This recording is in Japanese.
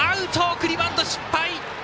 送りバント失敗！